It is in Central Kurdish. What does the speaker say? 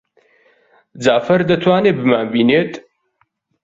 جەعفەر دەتوانێت بمانبینێت؟